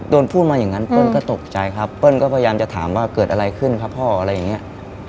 พูดมาอย่างนั้นเปิ้ลก็ตกใจครับเปิ้ลก็พยายามจะถามว่าเกิดอะไรขึ้นครับพ่ออะไรอย่างนี้